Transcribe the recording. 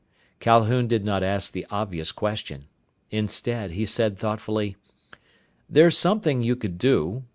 Calhoun did not ask the obvious question. Instead, he said thoughtfully, "There's something you could do.